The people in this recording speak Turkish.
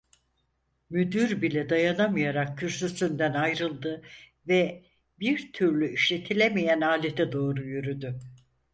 Müdür bile dayanamayarak kürsüsünden ayrıldı ve bir türlü işletilemeyen alete doğru yürüdü.